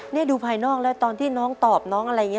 นี่ดูภายนอกแล้วตอนที่น้องตอบน้องอะไรอย่างนี้